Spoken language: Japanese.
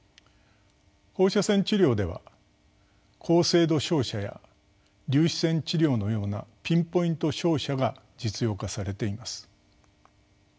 放射線治療では高精度照射や粒子線治療のようなピンポイント照射が実用化されています。